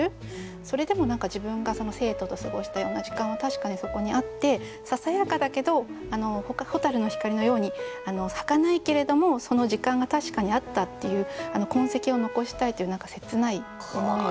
それでも何か自分が生徒と過ごしたような時間は確かにそこにあってささやかだけど蛍の光のようにはかないけれどもその時間が確かにあったっていう痕跡を残したいという何か切ない思いを読みました。